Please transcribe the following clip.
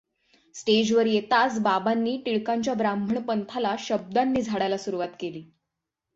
स्टेजवर येताच बाबांनी टिळकांच्या ब्राह्मण पंथाला शब्दांनी झाडायला सुरुवात केली.